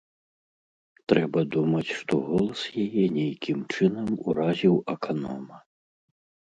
Трэба думаць, што голас яе нейкім чынам уразіў аканома.